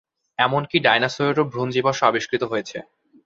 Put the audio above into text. এমনকি ডাইনোসরের ও ভ্রূণ জীবাশ্ম আবিষ্কৃত হয়েছে।